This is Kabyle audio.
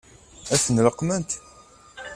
Ad tent-leqqment?